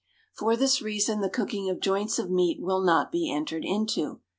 For this reason the cooking of joints of meat will not be entered into.